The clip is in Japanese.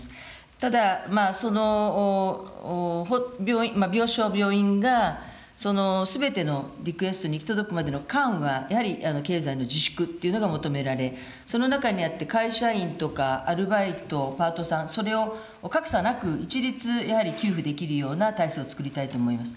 ただ、病床、病院がすべてのリクエストに行き届くまでの間は、やはり経済の自粛というのが求められ、その中にあって、会社員とか、アルバイト、パートさん、それを格差なく一律、やはり給付できるような体制を作りたいと思います。